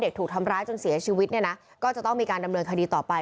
ถูกทำร้ายจนเสียชีวิตเนี่ยนะก็จะต้องมีการดำเนินคดีต่อไป